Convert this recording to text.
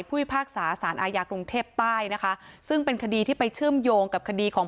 พิพากษาสารอาญากรุงเทพใต้นะคะซึ่งเป็นคดีที่ไปเชื่อมโยงกับคดีของ